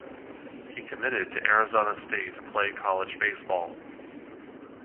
He committed to Arizona State to play college baseball.